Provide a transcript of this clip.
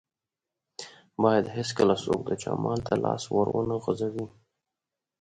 بايد هيڅکله څوک د چا مال ته لاس ور و نه غزوي.